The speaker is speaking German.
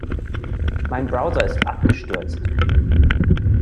Mein Browser ist abgestürzt.